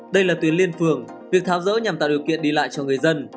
đây là tuyến liên phường việc tháo rỡ nhằm tạo điều kiện đi lại cho người dân